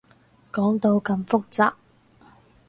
講到咁複雜